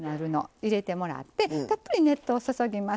入れてもらってたっぷり熱湯を注ぎます。